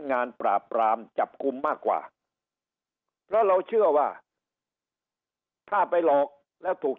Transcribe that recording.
งานปราบปรามจับกลุ่มมากกว่าเพราะเราเชื่อว่าถ้าไปหลอกแล้วถูก